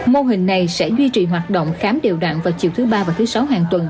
mô hình này sẽ duy trì hoạt động khám điều đạn vào chiều thứ ba và thứ sáu hàng tuần